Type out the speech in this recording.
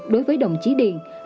đối với đồng chí điền